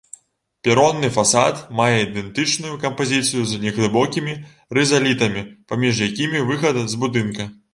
Перонны фасад мае ідэнтычную кампазіцыю з неглыбокімі рызалітамі, паміж якімі выхад з будынка.